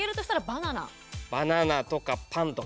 バナナとかパンとかですかね。